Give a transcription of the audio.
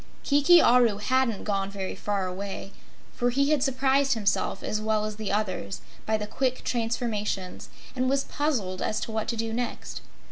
Kiki Aru hadn't gone very far away, for he had surprised himself as well as the others by the quick transformations and was puzzled as to what to do next.